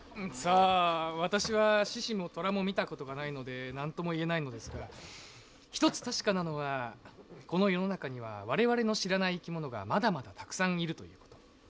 さあ私は獅子も虎も見た事がないので何とも言えないのですが一つ確かなのはこの世の中には我々の知らない生き物がまだまだたくさんいるという事。